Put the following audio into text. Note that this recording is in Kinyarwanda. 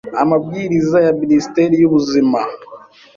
amabwiriza ya minisiteri y'ubuzima